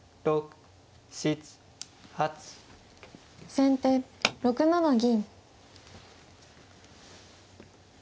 先手６七銀。